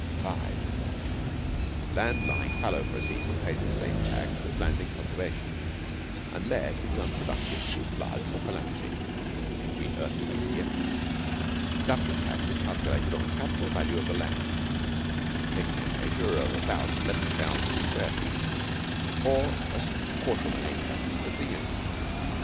Land lying fallow for a season pays the same tax as land in cultivation, unless it is unproductive through flood or calamity (read earthquake here). The Government tax is calculated on the capital value of the land, taking a measure of about 11,000 square feet or a quarter of an acre as the unit.